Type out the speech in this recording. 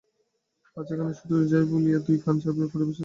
পাছে কানে শব্দ যায় বলিয়া দুই কান চাপিয়া পড়িবার চেষ্টা করিতে লাগিল।